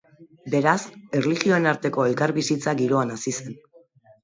Beraz, erlijioen arteko elkarbizitza giroan hazi zen.